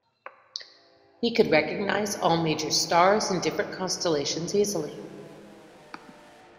He could recognise all major stars and different constellations easily.